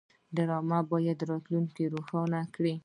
ډرامه باید راتلونکی روښانه کړي